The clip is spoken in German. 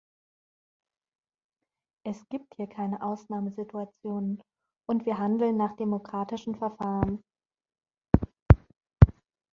Es gibt hier keine Ausnahmesituationen, und wir handeln nach demokratischen Verfahren.